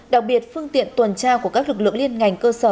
đặc biệt phương tiện tuần tra của các lực lượng liên ngành cơ sở